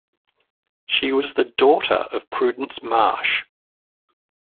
She was the daughter of Prudence Marsh.